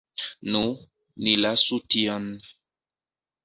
Nu, ni lasu tion.